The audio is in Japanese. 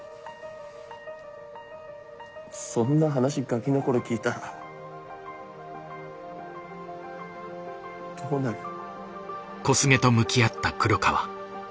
そんな話ガキの頃聞いたらどうなる？